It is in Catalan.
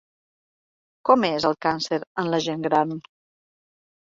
Com és el càncer en la gent gran?